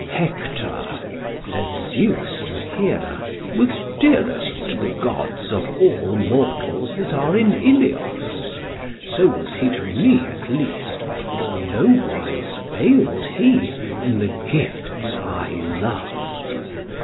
"Hector," says Zeus to Hera, "was dearest to the gods of all mortals that are in Ilios. So was he to me at least, for nowise failed he in the gifts I loved.